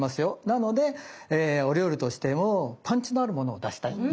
なのでお料理としてもパンチのあるものを出したいと。